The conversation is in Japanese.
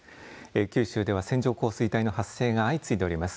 九州では線状降水帯の発生が相次いでおります。